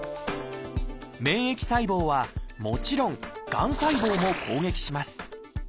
免疫細胞はもちろんがん細胞も攻撃します。